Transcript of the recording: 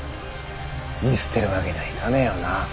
見捨てるわけにはいかねえよな？